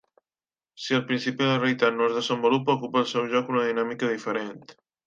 Si el principi de la realitat no es desenvolupa, ocupa el seu lloc una dinàmica diferent.